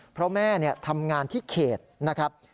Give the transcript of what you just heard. เพราะแม่ทำงานที่เขตนะครับ